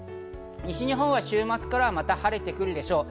西日本は週末からまた晴れてくるでしょう。